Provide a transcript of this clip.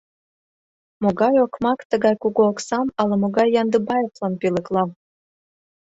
Могай окмак тыгай кугу оксам ала-могай Яндыбаевлан пӧлекла?